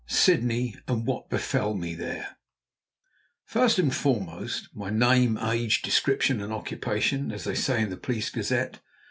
SYDNEY, AND WHAT BEFEL ME THERE First and foremost, my name, age, description, and occupation, as they say in the Police Gazette.